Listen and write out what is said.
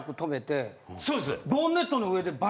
そうです！